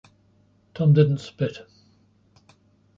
Tom didn't spit.